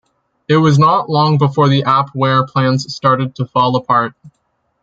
It was not long before the AppWare plans started to fall apart.